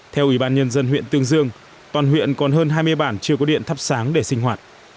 theo ủy ban nhân dân huyện tương dương toàn huyện còn hơn hai mươi bản chưa có điện thắp sáng để sinh hoạt